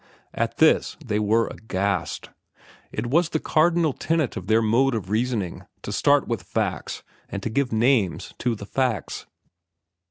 At this they were aghast. It was the cardinal tenet of their mode of reasoning to start with facts and to give names to the facts.